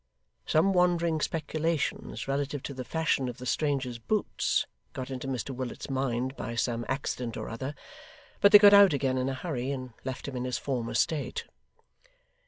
Some wandering speculations relative to the fashion of the stranger's boots, got into Mr Willet's mind by some accident or other, but they got out again in a hurry, and left him in his former state.